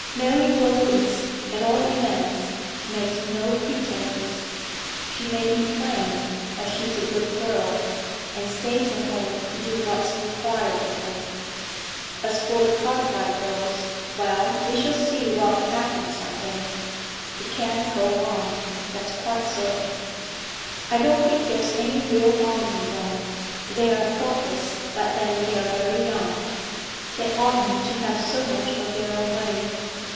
Mary Wilkins, at all events, makes no pretences; she may be plain, but she's a good girl, and stays at home to do what's required of her. As for the Cartwright girls well, we shall see what'll happen some day. It can't go on, that's quite certain.' 'I don't think there's any real harm in them. They're thoughtless, but then they're very young. They oughtn't to have so much of their own way.